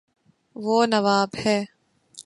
وہ نواب ہے